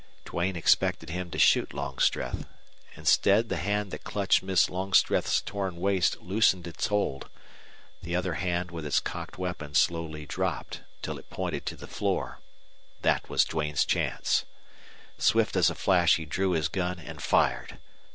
Duane expected him to shoot Longstreth. Instead the hand that clutched Miss Longstreth's torn waist loosened its hold. The other hand with its cocked weapon slowly dropped till it pointed to the floor. That was Duane's chance. Swift as a flash he drew his gun and fired.